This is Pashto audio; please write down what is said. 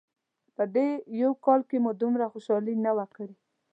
په دې یو کال مو دومره خوشحالي نه وه کړې.